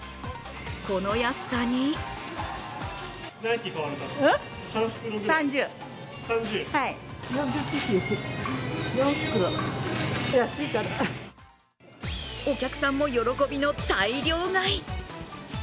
この安さにお客さんも喜びの大量買い。